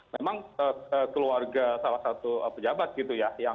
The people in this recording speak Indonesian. memang keluarga salah satu pejabat gitu ya